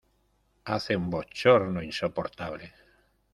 Hace un bochorno insoportable.